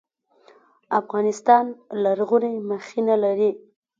افغانستان لرغوني مخینه لري